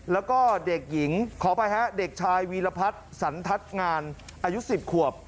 แล้วก็เด็กหญิงขออภัยฮะเด็กชายวีรพัฒน์สันทัศน์งานอายุ๑๐ขวบ